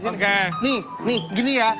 nih gini ya